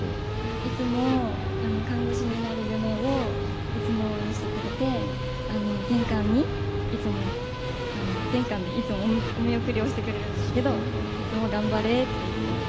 いつも、看護師になる夢をいつも応援してくれて玄関で、いつもお見送りをしてくれるんですけどいつも頑張れって。